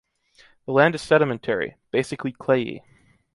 The land is sedimentary, basically clayey.